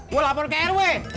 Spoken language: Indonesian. gua lapor ke rw